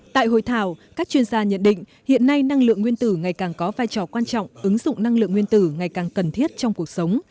tại hội thảo các chuyên gia nhận định hiện nay năng lượng nguyên tử ngày càng có vai trò quan trọng ứng dụng năng lượng nguyên tử ngày càng cần thiết trong cuộc sống